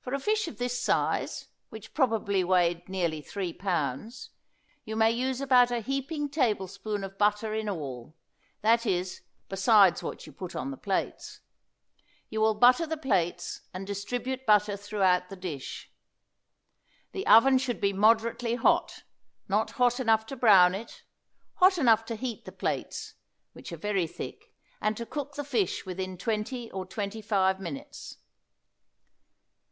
For a fish of this size which probably weighed nearly three pounds you may use about a heaping tablespoonful of butter in all; that is, besides what you put on the plates. You will butter the plates, and distribute butter throughout the dish. The oven should be moderately hot, not hot enough to brown it hot enough to heat the plates, which are very thick, and to cook the fish within twenty or twenty five minutes.